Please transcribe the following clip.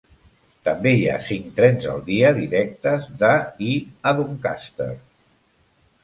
També hi ha cinc trens al dia directes de i a Doncaster.